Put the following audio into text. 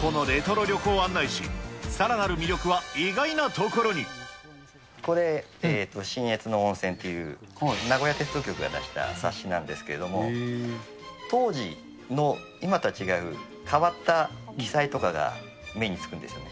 このレトロ旅行案内誌、これ、信越の温泉っていう、名古屋鉄道局が出した冊子なんですけども、当時の、今とは違う変わった記載とかが目に付くんですよね。